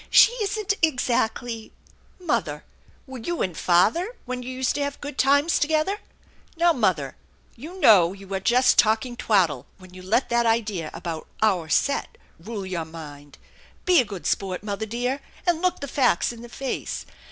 She isn't exactly " "Mother, were you and father, when you used to have good times together? Now, mother, you know you are just THE ENCHANTED BARN 167 talking twaddle when you let that idea about ' our set ' rule your mind. Be a good sport, mother dear, and look the facts in the face.